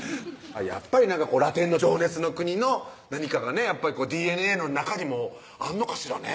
やっぱりラテンの情熱の国の何かがねＤＮＡの中にもあんのかしらね